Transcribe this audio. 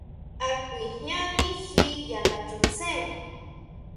¿A kuijñani ji yá nachuntsén?